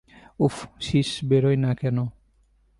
উফ, শিস বেরোয় না কেন!